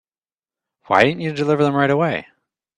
Why didn't you deliver them right away?